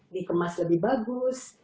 dikemas lebih bagus